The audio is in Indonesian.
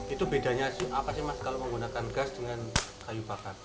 itu bedanya apa sih mas kalau menggunakan gas dengan kayu bakar